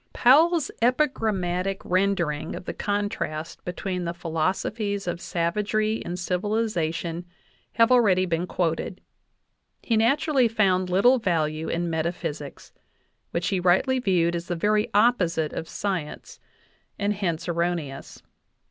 Powell's epigrammatic rendering of the contrast between the philosophies of savagery and civilization have already been quoted. He naturally found little value in metaphysics, which he rightly viewed as the very opposite of science, and hence erroneous.